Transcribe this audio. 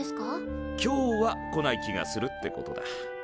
「今日は」来ない気がするってことだ。